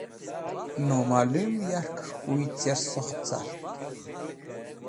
Nomalum yarkẽs̃h koy cẽr sokt cart?